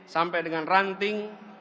sampai dengan ranting